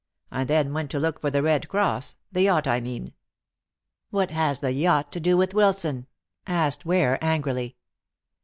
I then went to look for The Red Cross the yacht, I mean!" "What has the yacht to do with Wilson?" asked Ware angrily.